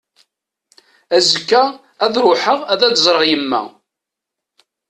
Azekka ad ruḥeɣ ad d-ẓreɣ yemma.